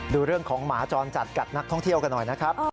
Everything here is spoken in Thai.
ดูเรื่องของหมาจรจัดกัดนักท่องเที่ยวกันหน่อยนะครับ